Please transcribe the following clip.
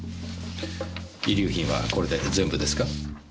遺留品はこれで全部ですか？